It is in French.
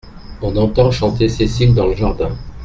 On entend chanter Cécile dans le jardin.